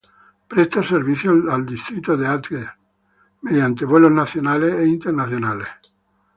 Presta servicio al distrito de Agder mediante vuelos nacionales e internacionales.